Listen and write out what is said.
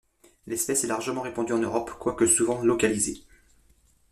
L'espèce est largement répandue en Europe, quoique souvent localisée.